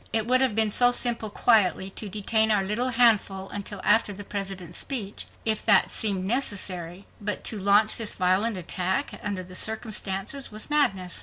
It would have been so simple quietly to detain our little handful until after the President's speech, if that seemed necessary. But to launch this violent attack under the circumstances was madness.